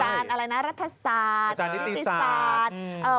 อาจารย์อะไรนะรัฐศาสตร์อาจารย์นิติศาสตร์